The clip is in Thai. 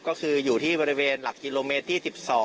ก็คืออยู่ที่บริเวณหลักกิโลเมตรที่๑๒